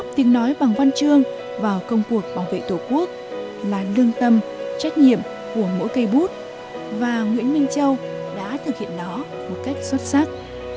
tiếng nói bằng văn chương vào công cuộc bảo vệ tổ quốc là lương tâm trách nhiệm của mỗi cây bút và nguyễn minh châu đã thực hiện nó một cách xuất sắc